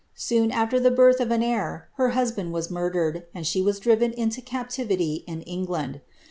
Soon after the birth nf an heir, her husband was murdered, and she was driven inid captivity in England.